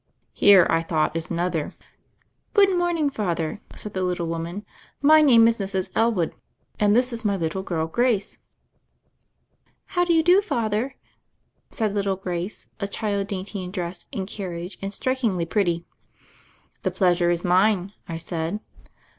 Here, I thought, is another. 138 THE FAIRY OF THE SNOWS 139 Good morning, Father," said the little woman; "my name is Mrs. Elwood, and this is my little girl, Grace." "How do you do. Father," said little Grace, a child dainty in dress and carriage and strik ingly pretty. "The pleasure is mine," I said.